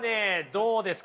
どうですか？